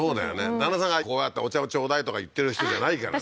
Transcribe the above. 旦那さんがこうやってお茶を頂戴とか言ってる人じゃないからね